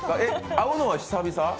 会うのは久々？